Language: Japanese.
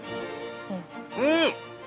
◆うん！